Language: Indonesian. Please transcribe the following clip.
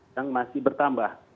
yang masih bertambah